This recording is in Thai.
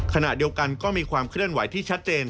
ขณะเดียวกันก็มีความเคลื่อนไหวที่ชัดเจน